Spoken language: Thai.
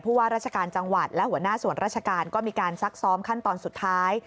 ว่าราชการจังหวัดและหัวหน้าส่วนราชการก็มีการซักซ้อมขั้นตอนสุดท้าย